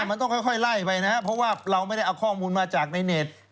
มันต้องค่อยไล่ไปนะครับเพราะว่าเราไม่ได้เอาข้อมูลมาจากในเน็ต